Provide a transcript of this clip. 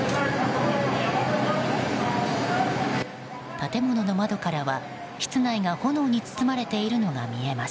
建物の窓からは室内が炎に包まれているのが見えます。